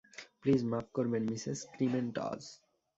Please, মাফ করবেন, Mrs Krementz.